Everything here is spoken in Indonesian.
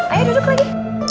ayo duduk lagi